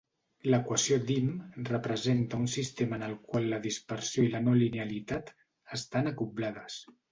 L'equació Dym representa un sistema en el qual la dispersió i la no linealitat estan acoblades.